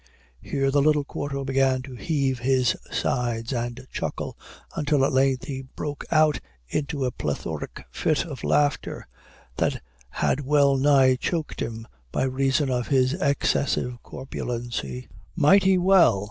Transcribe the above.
Here the little quarto began to heave his sides and chuckle, until at length he broke out in a plethoric fit of laughter that had well nigh choked him, by reason of his excessive corpulency. "Mighty well!"